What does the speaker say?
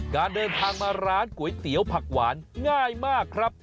การเดินทางมาร้านก๋วยเตี๋ยวผักหวานง่ายมากครับ